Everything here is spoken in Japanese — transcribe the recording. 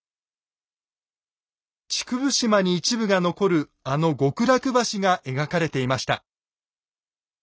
竹生島に一部が残るあの極楽橋が描かれていました。